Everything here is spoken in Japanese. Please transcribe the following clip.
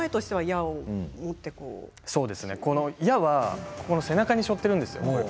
矢は背中にしょってるんですね。